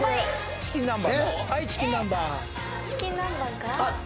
チキン南蛮？